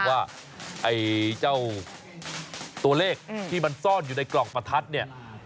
ว่าไอ้เจ้าตัวเลขที่มันซ่อนอยู่ในกล่องประทัดเนี่ย